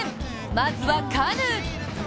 まずは、カヌー。